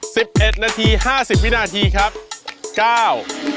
สิบเอ็ดนาทีห้าสิบวินาทีครับเก้า